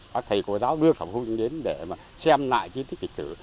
các thầy cô giáo đưa khẩu hôn đến để xem lại di tích lịch sử